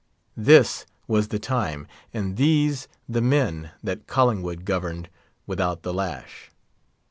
This was the time, and these the men that Collingwood governed without the lash.